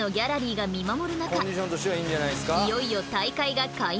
いよいよ大会が開幕。